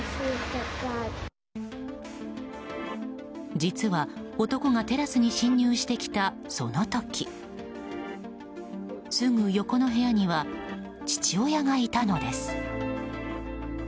実は、男がテラスに侵入してきたその時すぐ横の部屋には父親がいたのです。